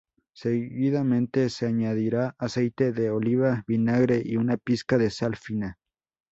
Seguidamente, se añadirá aceite de oliva, vinagre y una pizca de sal fina.